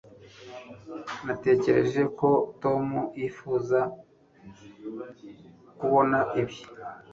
natekereje ko tom yifuza kubona ibi